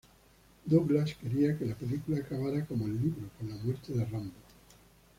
Douglas quería que la película acabara como el libro, con la muerte de Rambo.